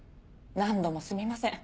何度もすみません